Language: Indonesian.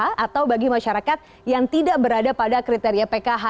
atau bagi masyarakat yang tidak berada pada kriteria pkh